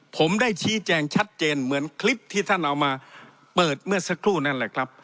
ผมได้ชี้แจงชัดเจนเหมือนคลิปที่ท่านเอามาเปิดเมื่อสักครู่นั่นแหละครับ